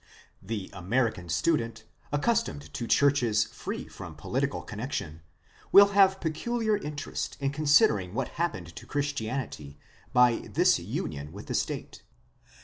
The American student, accustomed to churches free from political connection, will have peculiar interest in considering what happened to Christianity by this union with the state.